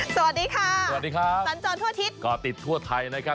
สวัสดีค่ะสวัสดีครับสัญจรทั่วอาทิตย์ก็ติดทั่วไทยนะครับ